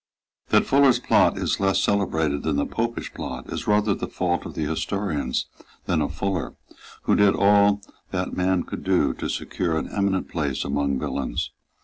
That Fuller's plot is less celebrated than the Popish plot is rather the fault of the historians than of Fuller, who did all that man could do to secure an eminent place among villains.